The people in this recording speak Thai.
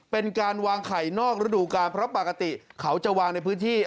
เป็นการวางไข่นอกระดูกาลเพราะปกติเขาจะวางในพื้นที่